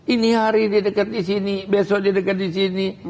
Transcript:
ini hari dia dekat di sini besok dia dekat di sini